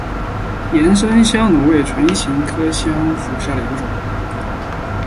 岩生香薷为唇形科香薷属下的一个种。